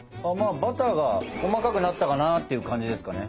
バターが細かくなったかなっていう感じですかね。